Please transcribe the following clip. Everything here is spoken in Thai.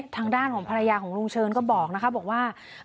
ทางด้านของภรรยาของลุงเชิญก็บอกว่า